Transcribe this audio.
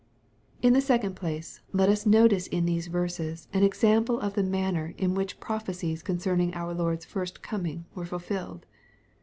In the second place, let us notice in these verses an ex ample of the manner in which prophecies concerning our Lord! 8 first coming were fulfilled.